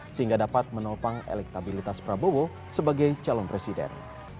sehingga dapat menopang elektabilitas prabowo sebagai calon presiden